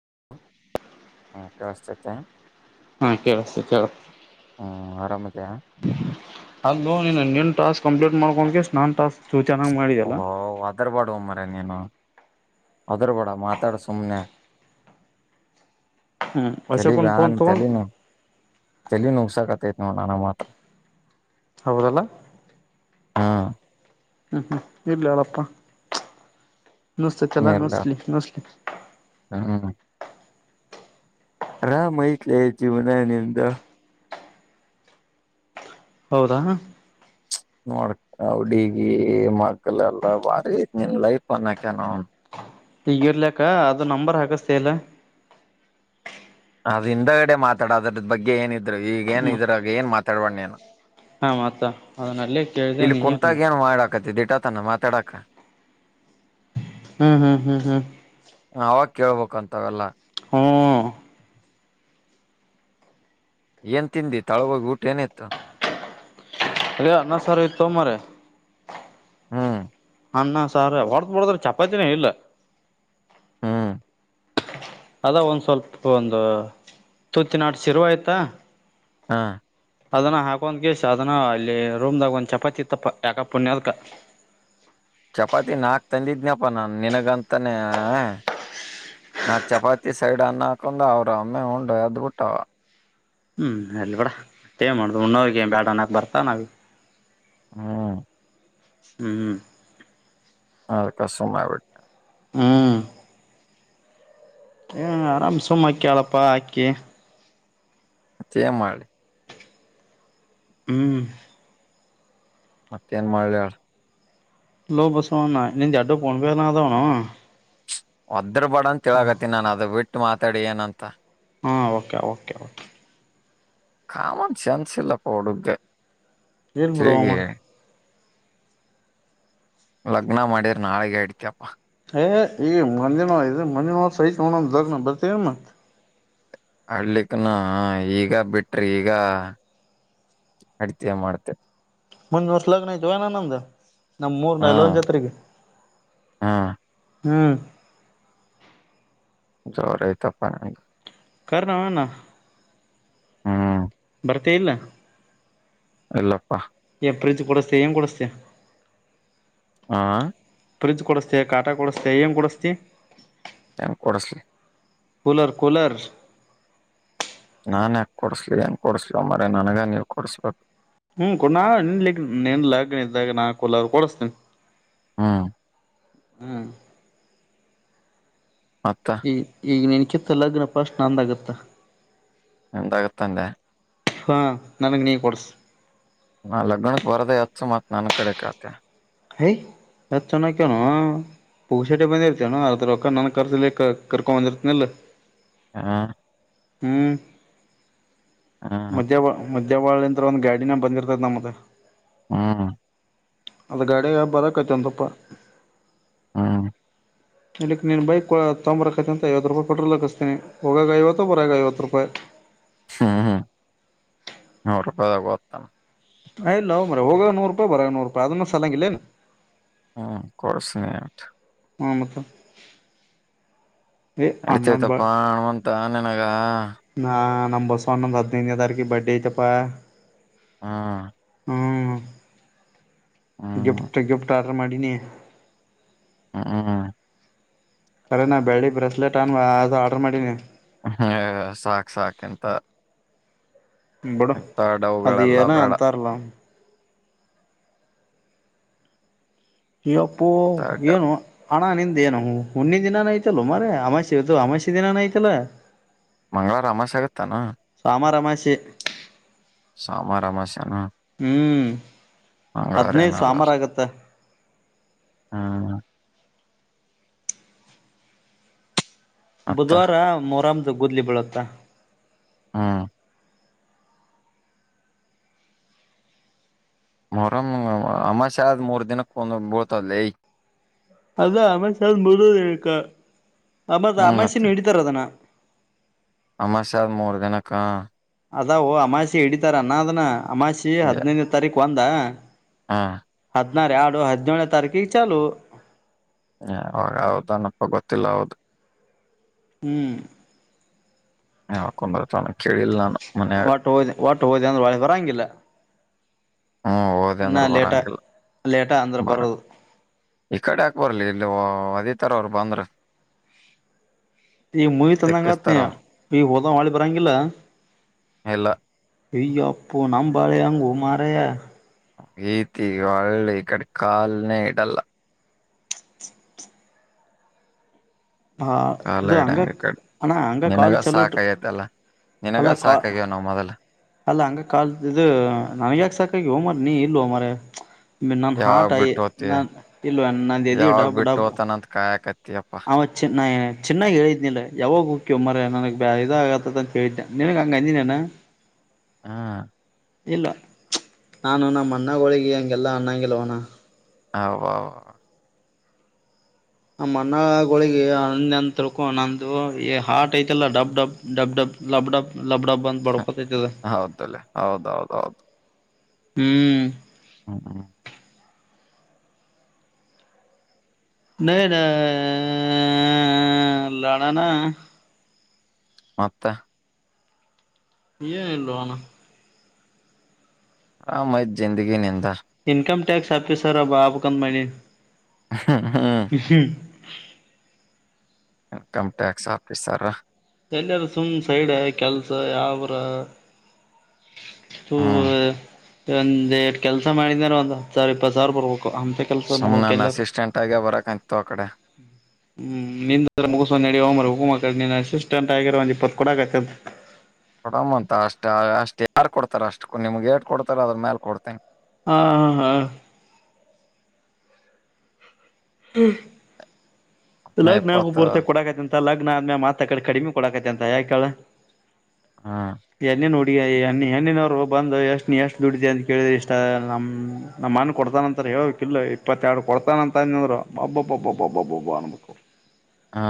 ಹ್ಮತ ಹಾ ಹ್ಮ. ಆರಾಮದ ಅದುಂ. ಟಸ್ಕ್ ಕಂಪ್ೀಟ್ ಮಾಡಕೊಂಡ ಸ್ನ ಾಸ್ಕ್. ಹ ಅದರಬಡ ಒಮ್ಮನೆ. ನೀನು ಅದ್ರ ಬೇಡ ಮಾತಾಡ ಸುಮನೆ. ಹ್ಞೂ ಚಲಿ ವರ್ಷಕ್ಕೊಂದು ಫೋನ್ ಬ್ಯಾನ್ ತೊಗೊಂಡು ಚಲನು ಚಲ್ಲಿ ನ ಉಸಕತೆ. ಹ್ಮ ನಾನ ಮಾತ್ರ. ಹೌದಲ್ಲ. ಹಾ. ಹ್ಮ್ ಹ್ಮ್ ಇಲ್ಲ ಎಳಪ್ಪ. ನುಸ್ತೆ ತಲ್ಲ ನೀರ್ಲ ನಸಲಿ ನಸಲಿ. ಅರಾಮಹತ್ಲ ಜೀವನ ನಿಂದ. ಹೌದಾ. ನೋಡ್ ಅವಡಗಿ ಮಕ್ಳ ಎಲ್ಲ ಬಾರಿ ಐ ನಿಲೈ ಪನ್ಕ್ಯನ. ಈಗಿರ್ಲಕ್ಕ ಅದು ನಂಬರ್ ಹಾಕಸ್ತ ಇಲ್ಲ. ಅದ ಹಿಂದಗಡೆ ಮಾತಾಡೋದ್ರದ ಬಗ್ಗೆ ಏನ. ಈಗ ಏನ್ ಹ್ಮ ಇದ್ರಾಗ ಏನ್ ಮಾತಾಡಬೇಡಾ ನೀನು ಹಾ ಮತ್ತ ಅದನ್ನಲ್ಲೇ ಕೇಳಿದೆ ಇಲ್ಲಿ ನೀ ಹ್ಮ್ ಕುಂತಾಗ ಏನ್ ಮಾಡ. ಕಟ್ಟಿದಿ ಇಟತನಾ ಮಾತಾಡಾಕ ಹು ಹು ಹು ಹು ನಾವ ಕೇಳ ಬೇಕ ಅಂತಾವೆಲ್ಲಾ. ಹುಉಉಉ ಏನ್ ತಿಂದಿ ತಳಹೋಗಿ ಊಟ ಏನಿತ್ತು. ಅದೆ ಅನ್ನ ಸಾರ ಇತ್ತೋ ಮಾರಾಯ ಹು ಅನ್ನ ಸಾರ ಹೊಡದ ನೋಡಿದ್ರ ಚಪಾತಿನೇ ಇಲ್ಲ. ಹು ಅದ ಒಂದ್ ಸ್ವಲ್ಪ ಒಂದು ತುತ್ತಿನಾಟ ಶರ್ವ ಇತ್ತಾ ಹಾಆಆಅ ಅದನ್ನ ಹಾಕೊಂದಗೀಸ್ ಅದನ್ನ ಅಲ್ಲಿ ರೂಮದಾಗ ಒಂದ್ ಚಪಾತಿ ಇತ್ತಪ್ಪ ಯಾಕ ಪುಣ್ಯದಕ. ಚಪಾತಿ ನಾಲ್ಕು ತಂದಿದ್ನಪ್ಪ ನಾನು ನಿನಗಂತಾನೇನೇ ನಾಲ್ಕು ಚಪಾತಿ ಸೈಡ್ ಅನ್ನ ಹಾಕೊಂಡ ಅವ್ರ ಒಮ್ಮೆ ಉಂಡು ಎದಬಿಟ್ಟವ. ಹು ಇರ್ಲಿ ಬಿಡ ಮತ್ತೇ ಮಾಡುದು ಉಣ್ಣವರಿಗೆ ಬ್ಯಾಡ ಅಣ್ಣಾಕ ಬರ್ತಾ ನಾವ. ಹೂಊಊ ಪ್ಚ್ ಹು ಹು ಅದಕ್ಕೆ ಸುಮ್ಮನಾಗಬಿಟ್ಟೆ ನಾ ಹು ಹು ಆರಾಮ್ ಸುಮ್ಮ ಅಕ್ಕಿಯಲ್ಪ ಅಕ್ಕಿ ಮತ್ತೇ ಏನ್ ಮಾಡ್ಲಿ ಹು ಮತ್ತೇನ್ ಮಾಡ್ಲಿ ಹೇಳ ಲೋ ಬಸವ್ಣ ನಿಂದ ಯಷ್ಟು ಫೋನ್ಪೇನ ಅದಾವನ ಒಂದ್ ತಿರಾಗಬೇಡ ಹೇಳಾಗಕತ್ತತಿ ನಾನು ಅದು ಬಿಟ್ ಮಾತಾಡ ಏನಂತ ಹು okay okay okay common sense ಇಲ್ಲ ಹುಡುಗ್ಗ ಏನ್ ಬಿಡೋ ಮಾರಾಯ ಲಗ್ನ ಮಾಡಿದರ ನಾಳೆಗೆ ಇಡತಿಯಪ್ಪ ಏ ಈಗ ಮುಂದಿನ ಇದ ಮರನೇ ವಾರನ ಸೈಟ್ ತಗೊಳೋಣ ಬರ್ತಿನ್ ಮತ್ತ ಅಲ್ಲೀತನ ಈಗ ಬಿಟ್ರಿ ಈಗ ಅಡಿತ ಮಾಡತೆ ಮುಂದಿನವರ್ಷ್ ಲಗ್ನ್ ಐತೊಯೋ ನಂದ ನಮ್ಮ ಊರ್ ಹಾ ಡೈಲಾವ್ ಜಾತ್ರಿಗೆ ಹಾ ಹ ಟಕ್ ಜೋರ ಐತಪ್ಪ ಹಂಗ ಕರೇನೋ ಅಣ್ಣಾ ಹು ಬರ್ತಿ ಇಲ್ಲ ಇಲ್ಲಪ್ಪಾ ಫ್ರಿಜ್ ಕೊಡಿಸ್ತೀಯ ಏನ್ ಕೊಡಿಸ್ತೀಯ ಅಆಆಆ ಫ್ರಿಜ್ ಕೊಡಿಸ್ತೀಯ ಕಾಟಾ ಕೊಡಿಸ್ತೀಯ ಏನು ಕೊಡಿಸ್ತೀ ಯಾಕ್ ಕೊಡಸ್ಲಿ ಕೂಲರ್ ಕೂಲರ್ ಟ್ಟ್ಟಕ್ ನಾನ್ ಯಕ ಕೊಡ್ಸ್ಲಿ ಏನ್ ಕೊಡ್ಸ್ಲ ಮ್ರ ನನ್ಗ ನೀವ್ ಕೊಡ್ಸ್ಬೇಕು ಹ್ಮ್ ಕೊ ನಾ ನಿನ್ಲಿ ನಿನ್ಲಗ್ ಇದ್ದಾಗ ನಾ ಕೊಲರು ಕೊಡಿಸತೇನಿ ಹಾ ಹ್ಮ ಮತ್ತ ಹ ಈಗ ನೆನ ಕೆಿತ್ತ ಲಗ್ನ ಪ್ರಶ್ಣ ಅಂದಾಗತ್ತಾ ಎಂತಾಗುತ್ತ ಅಂದೆ ಹಾ ನನಗ್ ನೀ ಕೊಡ್ಸ ನಾ ಲಗ್ನಕ್ ಬರದೇ ಅತ್ಸು ಮತ್ ನನ್ ಕಡೆ ಕತ ಯ್ ಅತ್ ಚೆನ್ನಕ್ಯನು ಪೂಗ ಶಟಿ ಬಂದಿರ್ತವಾನ ಅರ್ದ ರಕ ನನ್ನ ಕರ್ಸಲಿ ಕರ್ಕೊ ಬಂದಿರ್ತನಿಲ್ಲ ಹಾ ಹ್ಮ್ ಹ್ಮ್ ಮಧ್ಯ ಮ ದೇವಾಳಿ ಅಂದ್ರೆ ಒಂದು ಗಾಡಿನ ಬಂದಿರ್ತದೆ ನಮ್ಮತ್ತ ಹ್ಮ ಅದು ಗಾಡಗೆ ಬರಕೈತ ಒಂದಪ್ಪ ಹ್ಮ ಇಕ್ಕೆ ನೀನು ಬೈಕ್ ತೊಂಬರಕತ ಅಂತ ಐವತ್ತು ರೂಪಾಯಿ ಪಟ್ರಲ್ ಹಾಕಿಸಸ್ತೀಿ ಹೋಗಾಗ ಐವತ್ತು ಬರಾಗ ಐವತ್ತು ರೂಪಾಯಿ ಹ್ಮ್ ಹ್ಮ್ ನೂ ರೂಪಾಯಿದ ಬತಾನ ಅ ಇಲ್ಲ ಹ್ ಮ್ರ ಹೋಗುವ ನೂರು ರೂಪಾಯಿ ಬರ ನೂರು ರೂಪಾಯಿ ಅದನ್ನೂ ಸಲಂಗಿಲ್ಲೇನು ಹ್ಮ್ ಕೊರಸ ನೀ ನಮಕ ನೆಡುತಾತಿ ಆಯ್ತಪ್ಪ ಹಣ ತ ನೆನಗ ನಾ ನಮ್ಮಂಬರ್ಸ್ ಒನ್ ಒಂದಂದು ಹದಿನೈದುನೇ ತಾರಕ ಬರ್ಡೇ ಚ ಅಪ್ಪ ಹಾ ಹ್ಮ್ ಗಿಫ್ಟ್ ಗಿಫ್ಟ ಆರ್ಡರ್ ಮಾಡಿನಿ ಹೂ ಹೂ ಕರೆನಾ ಬೆಳ್ಳಿ ಬ್ರೆಸ್ಲೆಟ್ ಅನ್ ಅದು ಆರ್ಡರ್ ಮಾಡೀನಿ ಹೂ ಸಾಕ್ ಸಾಕ್ ಇಂತ ಬಿಡ ಅದ ಡವುಗಳೆಲ್ಲ ಏನ ಬೇಡ ಅಂತಾರಲ ಯಪ್ಪೋ ಏನು ಹಣ ನಿಂದ ಏನು ಹುಂದಿ ದಿನಾನ ಐ್ತಲ್ಲ ಮರ ಅಮಾಾಸಿ ಇದು ಅಮಾಾಸೆ ದಿನಾನ ಐ್ತಲ್ಲ ಮಂ್ಗಳವಾರ ಅಮಾಾಸೆ ಆಗತ್ತಾನ ಚಿ ಸಾಮಾರಾಮಸ್ಯಾನ ಹೂ ಹದ್ಿನೈದು ಸಾಮಾರ ಆಗತ್ತ ಹೂ ಮತ್ತ ಬುಧವಾರ ಮೊರಾಮ ಅದು ಗದ್ಲಿ ಬಿೀಳುತ್ತಾ ಹಾ ಮೊರಂ ಅಮಾಷ್ಯ ಆದ್ ಮೂರ್ ದಿನಕ್ಕೆ ಕಂದೋಗ್ ಬಳ್ತದ್ ಲೆ ಅಲ್ಲ ಅಮಾವಶಿ ಆಗಿ ಮೂರ ದಿನಕ್ಕ ಅ ಹ್ಮ್ ಅಮಾಸೆನ್ನು ಇಡಿ ತರದಾನ ಅಮಷ್ಯ ಆದ ಮೂರ್ ದಿನಕ್ಕ ಅದ ಅಮಾಾಸೆ ಇಡಿತಾರ ಅನ್ನದ್ನ ಅಮಾಸಿ ಹದಿನೈದು ತಾರೀುಕು ಒಂದ ಹಾ ಹದಿನಾರ ಎರಡು ಹದಿನೇಳನ ತಾರೀಕೀ ಚಲು ಹ ಅವಾಗ ಹೌದನಪ್ಪ ಗೊತ್ತಿಲ್ಲ ಹೌದು ಹೂ ಹಾ ಹಕು ಮರ ಚ [unintelligible] ಒಟ್ಟು ಹೋದ ಹೊಟ್ಟು ಹೋದ ಅಂದ್ರೆ ವಳ್ ಬರಂಗಿಲ್ಲ ಹ್ಮ್ ಹೋದೆ ಇನ್ನ ಅಂದ್ರ ಲೇಟ ಬರಂಗಿಲ್ಲ ಲೇಟ ಅಂದ್ರೆ ಬರ ಬರೋದು ಈ ಕಡೆ ಹಾಕ್ ಬರ್ಲಿ ಇಲ್ಲಿ ವದಿತಾರ ಅವರು ಬಂದ್ರ ಈಗ ಮೂವಿ ತಂದಂಗತ್ ನೀ ತಿಕ್ಕಸ್ತಾರ ಅವ್ರು ಈಗ ಹೋದ ಮಳಿ ಬರಂಗಿಲ್ಲ ಇಲ್ಲ ಅಯ್ಯ ಅಪ್ಪು ನಂಬಾಳೆ ಹಂಗು ಮಾರೆಯ ಈೀತಿ ಒಳ್ಳಿ ಕಡ್ಕಾಲ್ನೇ ಇಡಲ್ಲ ಹಾ ಕಾಲ ಇದು ಹಂಗ ಇಡಂಗ ಕ ಅಣ್ಣ ಹಂಗ ನಿನಗ ಕಾಲ್ ಚಲೋಟ್ ಸಾಕಗತೆ ಅಲ್ಲ ನಿನಗ ಅಲ್ಲ ಸಾಕ ಕಾ ಆಗ್ಯವ ನ ಮೊದಲ ಅಲ್ಲ ಹಂಗ ಕಾಲಲ್ದು ನನ್ ಯಾಕ ಸಾಕಾಗಿ ೋಮ್ರ ನೀ ಇಲ್ ಹೋ ಮಾರಯ ನಾನು ಯಾವಾಗ ಹಾಟ್ ಆಯಿ ಬಿಟ್ಟು ಹೋತಿಯ ನ ಇಲ್ವಾ ನ ಎದ ಯಾವಾಗ ಡಬ್ ಬಿಟ್ಟು ಡಬ್ ಹೋತಾನಂತ ಕಾಯಕತ್ತಿಯಪ್ಪಾ ಅವ ಚಿನ್ನ ಯಾ ಚೆನ್ನಾಗ್ ಹೇಳಿದ್ನಿಲ್ಲ ಯಾವಾಗ ಉಕ್ಕ್ಯಮ್ಮರ ನನಗ್ ಇದ ಆಗತ್ತದಂತ ಕಿದನ ನನ್ಗ್ ಹಂಗ ಅಂದಿನೇನ ಹಾ ಇಲ್ಲ ನಾನು ನಮ್ಮ ಅಣ್ಣಗೋಳಿಗೆ ಹಗೆಲ್ಲ ಅನ್ನಾಗಿಲ್ವೋಣ ಹ [inaudible] ನಮ್ಮಣ್ಣಗಳಳಿಗೆ ಹ ನಂತರಕೂ ನಂದು ಹಾಟ್ ಐತಲ್ಲಾ ಡಬ್ ಡಬ್ ಡಬ್ ಡಬ್ ಲಬ್ ಡಬ್ ಲಬ್ ಡಬ್ ಅಂತ ಬಕೊಂಡ ಹೌದಲ್ಲೇ ಹೌದೌದ ಹೌದು ಹ್ಮ್ ಹ್ಮ ಹ್ಮ ನ ನ ಲಾಾ ನಾ [inaudible] ಮತ್ತೆ ಏನಲ್ಲ ಅಣ್ಣ ಹ ಮದ್ ಜಿಂದಗ ನಿಂತ ಇನ್ಕಮ್ ಟ್ಯಾಕ್ಸ್ ಆಪಿ ಸರ ಆಗ್ಬಾಕಂದ ಮಡಿನಿ ಹ ಹಾ [inaudible] ಇನ್ಕಮ ಟ್ಯಾಕ್ಸ್ ಆಕ ಸರ್ ಎಲ್ಲಯಾರ ಸುಮ್ಮ್ ಸೈಡ್ ಕೆಲ್ಸ ಯಾವರ ಹ ಹ್ಮ್ ಒಂದ ಎಷ್ಟು ಕೆಲಸ ಮಾಡಿದಾರ ಒಂದ್ಾವರ ಇಪ್ಪತ್ ಸಾವಿರ ಬರ್ಬು ಅಂತ ಕೆಲ್ಸ ಸುಮ್ನೆ ನೋಡಕ ನಾನ್ ಎಲ್ಲಾರ ಅಸಿಸ್ಟೆಂಟ್ ಆಗೇ ಬರಕಂತು ಆ ಕಡೆ ಹ್ಮ ನಿಂದ ಮುಗಸ ನಡವ ಮರು ಪೂ ಕ ಸರ್ ಇಟ ಆಗರ್ ಒಂದ್ ಇಪ್ಪತ್ ಕಡ ಆ್ತದೆ ಕೊಡಂಬ ಅಂತ ಅಷ್ಟ ಅಷ್ಟ್ ಯಾರ್ು ಕೊಡ್ತಾರ ಅಷ್ಟು ನಿಮ್ಗೆ ಏಟ್ ಕೊಡ್ತಾರ ಅದ್ರ ಮೇಾಲ ಕೊಡ್ತೇನೆ ಹಾ ಹಾ ಹಾ ಹ್ಮ ಮೇ ಇಲ್ಲ್ ನಾವವುೂ ಇಪ್ಪತ್ತು ಪೂರ್ತಿ ಕೊಡಕೈತ ಮ ಲಗ್ನ ಆದ್ಮೇಲೆತ್ ಅ ಕಡೆ ಕಡಿಮೆ ಕೊಡಕೈತಿ ಅಂತ ಯಾಕಳ ಹ್ಮ್ ಎಲ್ಲಿ ನೋಡಿ ಈಗ್ಣ ಹೆಣ್ಣಿನವರು ಬಂದು ಎಷ್ಟು ನೀ ಎಷ್ಟು ದುಡ್ಡತಿ ಅಂತ ಕೇಳಿದೆ ಇಷ್ಟ ನಮ್ಮ ನಮ್ಮ ಮಣ್ಣು ಕೊಡ್ತಾನ ಅಂತಾರೆ ಹೇಳ ಕಿಲ್ಲ ಇಪ್ಪತ್ತೆರಡು ಕೊಡ್ತಾನಂತ ಅಂದಂದ್ರು ಬಾ ಬ ಬಬ್ಬ ನಮಕ ಹಾ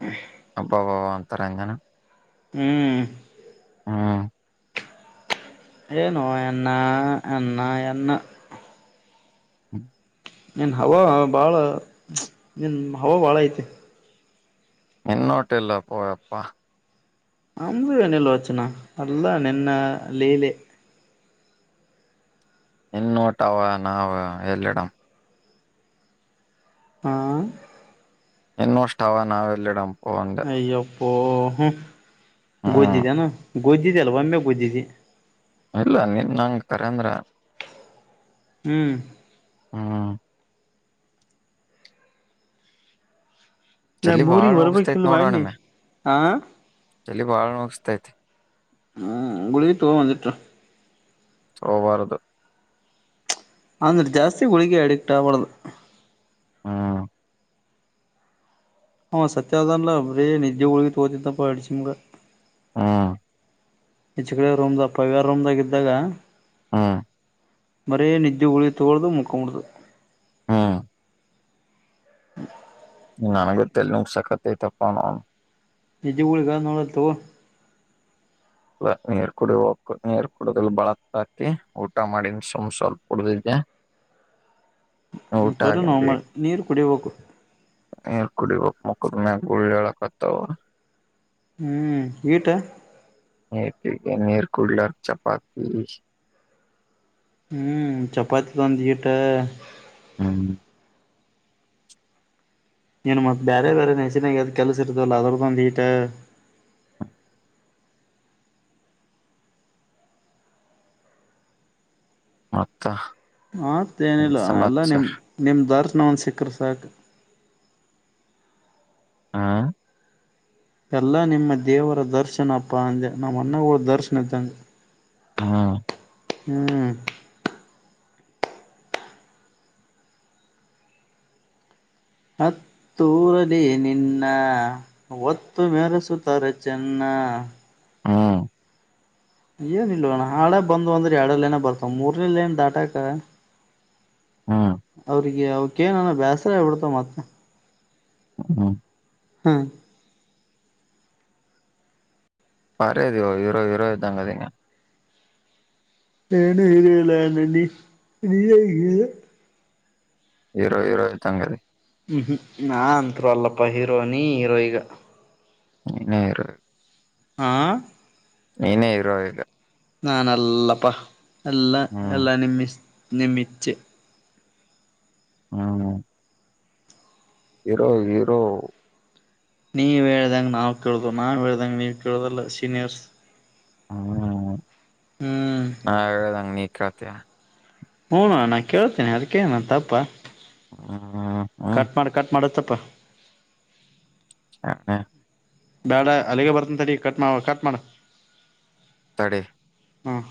ಹ ಹಬ್ಬ ಬ ಅಂತಾರ ಇಂದಾನ ಹ್ಮ್ ಹಾ ಏನುೋ ಎನ್ನ ಎನ್ನ ಎನ್ನ ಹ್ಮ ನೀನ್ ಹವ ಭಾಳ ನೀನ್ ಹವ ಭಾಳ ಐತಿ ಇನ್ನೋಟ್ಟ ಇಲ್ಲ ಪಪ್ಪಾ ನಮ್ದ್ ಏನಿಲ್ಲ ಚಿನ್ನ ಎಲ್ಲ ನಿನ್ನ ಲೀಲೆ ಇನ್ ನೋಟಾವ ನಾವ್ ಎಲ್ಲಿಡಮ ಹ ನಿನ್ನಿಷ್ಟ ಹವಾ ಅಷ್ಟ ನಾವೆಲ್ಲಿಡಮ ಹಾಯ್ ಓಹಾ ಹ್ಮ್ ಗೋಜ್ದಿದೆನು ಗುದ್ದಿದ್ದೆ ಅಲ್ಲ ಒಮ್ಮೆ ಗುದ್ದಿದಿ ಇಲ್ಲ ನಿನ್ ನಂಗ ಕರಂದ್ರ ಹ್ಮ್ ಹಾ ಇಲ್ಲ ಚಲಿ ಬಾಳ್ ಮೂನಮ್ಮೂರಿಗೆ ಬರಬೇಕಲ್ವಾ ನೀ ಆಾಂ ಚಲ್ಲಿ ಬಾಳ್ಳ ಮುಗಿಸತೈತೆ ಹ್ಮ್ ಗುಳಿಗೆ ತಗೋ ಮನೆಂತಗ ಹವಾರದು ಅಂದ್ರೆ ಜಾಸ್ತಿ ಹುಳಿಗೆ ಅಡಿಕ್ಟ್ ಆಗ್ಬಾರ್ದು ಹಾ ಹ ಸತ್ಯ ಅನ್ಲಾ ಬ್ರೇ ನಜಿದ್ದೆ ಹುಳ್ಗಿ ತಗೋತಿದ್ದಪ್ಪ ಅಡಶಿಮ್ಗ ಹಾ ಹೆಚ್ಚು ಕಡೆ ರೂಮ್ ಪವ್ಯಾರ ರೂಮ್ದಾಗ ಇದ್ದಾಗ ಹಾ ಬರೀ ನಿದ್ದೆ ಉುಳಿ ತಗೊಳ್ದು ಮುಕ್ಕಂಬಡ್ದು ಹ್ಮ್ [unintelligible] ನನಗೂ ತಲೆ ಸಾಕಾಯ್ತಪ್ಪ ನಾನು ನಿಜ ಗುಳಗ ನೋಡತ್ತು ನೀರ್ ಕುಡಿಯ ಹ ನೀರ್ ಕುಡುದಲ್ ಬಳತ್ ಹಾತಿ ಊಟ ಮಾಡನ್ ಸುಮ್ ಸ್ವಲ್ಪ ಕುಡ್ದೆ ಕರುಣಮ ನೀರು ಕುಡಿಯಬೇಕು ಮಕರುನಾ ಗುಳಡಳಕತವು ಹ್ಮ ಈಟ ನತಿೆಗೆ ನೀರ್ ಕುುಲರ್ ಚಪಾತಿ ಹ್ಮ್ ಚಪಾತಿ ಒಂದೇ ಈಟಾ ಹ್ಮ್ ಏನ್ ಮತ್ತ ಬೇರೆ ಬೇರೆ ನೆಸಿನ ಕೆಲ್ಲ ಕೆಲಸ ಇರುತ್ತವಲ್ಲ ಅದರದು ಒಂದ ಎಟ್ ಮತ್ತ ಏನ್ ಮತ್ತೇನಿಲ್ಲ ಎಲ್ಲಾ ಸಮಾಚಾರ ನಿಮ್ ನಿಮ್ ದರ್ ಸ್ನನ್ ಸಕ್ಕರ್ ಸಾಕು ಆಾ ಎಲ್ಲ ನಿಮ್ಮ ದೇವರ ದರ್ಶನಪ್ಪಾ ಅಂದೆ ನಮ್ಮ ಅಣ್ಣಗ ದರ್ಶನ ಇದ್ದಂಗ ಹಾ [unintelligible] ಹ್ಮ್ ಹತ್ತೂರಲ್ಲಿ ನಿನ್ನ, ಹೊತ್ತು ಮೆರೆಸುತ್ತಾರೆ ಚೆನ್ನ. ಹ್ಮ್ ಏನ್ ಇಲ್ವೊಣ್ಣ ಹಾಡಕ್ ಬಂದೊ ಅಂದ್ರೆ, ಎರಡ ಲೈನ ಬರ್ತಾವ, ಮೂರನೇ ಲೈನ್ ದಾಟಾಕ. ಹ್ಮ್ ಅವ್ರಿಗೆ ಅವ್ ಕ್ಕೇ ನೊನ ಬೇಸರ ಆ ಬಿಡ್ತ್ ಮತ್ತೆ. ಹ್ ಹ್ಮ ಹಹ್ಮ್ ಪರದಯೋ ಹೀರೋ ಹೀರೋ ಇದ್ದಾಂಗದೆ ಏನು ಇರಲ ನನ್ನಿ ನೀ ಹಿ ಹಿರೋ ಇರೋ ಇರೋ ಇದ್ದಾಗ ಹ್ಮ ನ ಅಂತ್ ತು ಅಲ್ಲಪ್ಪ ಹೀರೋ ನೀ ಹೀರೋಯಿಗ ನೀನ ಹೀರೋ ಆ ಹ್ ನೀನೇ ಹೀರೋ ಇಗ ನಾ. ನಲ್ ಲಪ ಎಲ್ಲ ಹ್ಮ್ ಎಲ್ಲಾ ನಿಮ್ಮಿಷ್ ನಿಮ್ಮಿಚ್ಚೇ ಹ್ಮ ಹ್ ಹೀರೋ ಹೀರೋ ನೀವ್ ಹೇಳ್ದಂಗ್ ನಾವ್ ಕೇಳ್ದೋ, ನಾವ್ ಹೇಳ್ದಂಗ್ ನೀವ್ ಕೇಳ್ದಲ್ಲ, ಸೀನಿಯರ್ಸ್ ಹ್ಮ ಹ್ಮ್ ನಾ ಹೇಳದಂಗ ನೀ, ಕತ್ ಯ ಹೂಣ ನಾ ಕೇಳ್ತೇನೆ, ಅದಕೆನಾ ತಪ್ಪಾ? ಹ್ಮ್ ಹ್ಮ್ ಕಟ್ ಮಾಡ್ ಕಟ್ ಮಾಡ್ ಪ್ ಹಾ ಹ್ ಹ್ಹೇ ಬೇಡ ಅಲ್ಲಿಗೆ ಬರ್ತಂತಡಿ, ಕಟ್ ಮಾಡ್ ಕಟ್ ಮಾಡ್. ತಡೆ ಹ್ಮ್